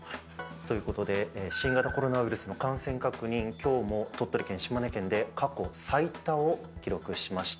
ということで新型コロナウイルス、感染者数鳥取県、島根県で過去最多を記録しました。